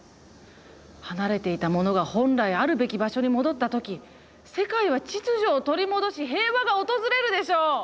離れていたものが本来あるべき場所に戻った時世界は秩序を取り戻し平和が訪れるでしょう。